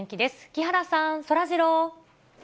木原さん、そらジロー。